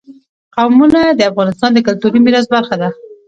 قومونه د افغانستان د کلتوري میراث برخه ده.